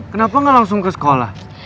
kenapa nggak langsung ke sekolah